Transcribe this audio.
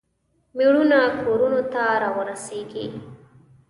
میړونه کورونو ته راورسیږي.